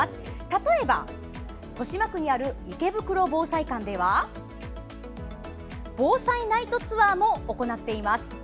例えば、豊島区にある池袋防災館では防災ナイトツアーも行っています。